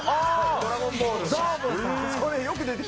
『ドラゴンボール』の。